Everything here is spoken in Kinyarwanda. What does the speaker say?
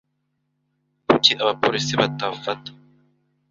Kuki abapolisi batafata ?